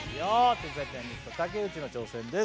天才ピアニスト竹内の挑戦です